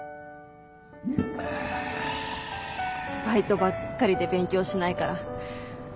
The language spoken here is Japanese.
バイトばっかりで勉強しないから。